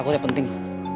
aku yang penting